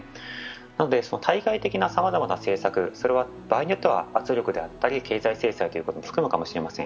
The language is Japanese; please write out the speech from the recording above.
なので対外的なさまざまな政策、それは場合によっては圧力であったり、経済制裁も含むかもしれません。